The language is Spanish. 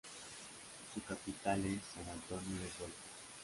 Su capital es San Antonio del Golfo.